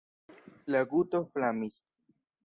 La guto flamis.